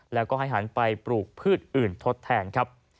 แล้วก็ให้หันไปปลูกพืชอื่นทดแทนครับ